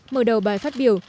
mở đầu bài phát biểu